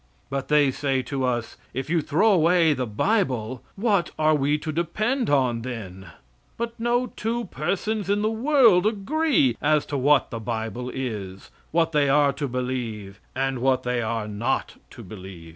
But they say to us, "If you throw away the Bible what are we to depend on then?" But no two persons in the world agree as to what the Bible is, what they are to believe, or what they are not to believe.